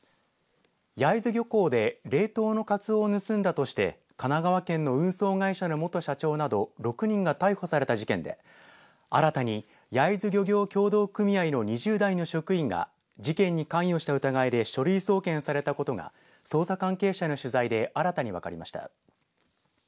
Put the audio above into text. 焼津漁港で冷凍のカツオを盗んだとして神奈川県の運送会社の元社長など６人が逮捕された事件で新たに焼津漁業協同組合の２０代の職員が事件に関与した疑いで書類送検されたことが捜査関係者への取材で新たに分かりました。